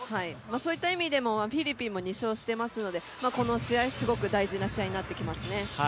そういった意味でもフィリピンも２勝していますので、この試合、すごく大事な試合になってきますね。